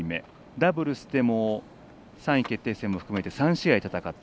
ダブルスでも３位決定戦を含めて３試合、戦って。